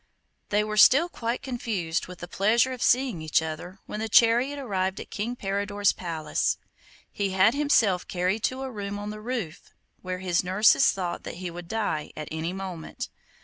They were still quite confused with the pleasure of seeing each other, when the chariot arrived at King Peridor's palace. He had had himself carried to a room on the roof, where his nurses thought that he would die at any moment.